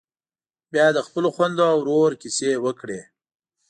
بيا یې د خپلو خويندو او ورور کيسې وکړې.